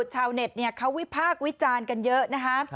ชาวเน็ตเขาวิพากย์วิจาลกันเยอะ